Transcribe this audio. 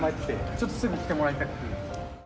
ちょっとすぐに来てもらいたい。